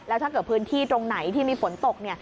แล้วถ้าเกิดพื้นที่ตรงไหนที่มีฝนตก